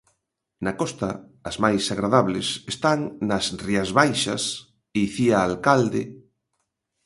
Na costa, as máis agradables están nas Rías Baixas, Icía Alcalde...